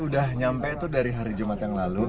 saya nyampe itu dari hari jumat yang lalu